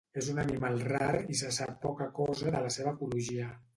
És un animal rar i se sap poca cosa de la seva ecologia.